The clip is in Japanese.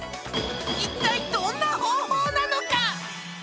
一体どんな方法なのか？